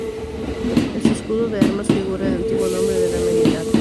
En su escudo de armas figura el antiguo nombre de la merindad.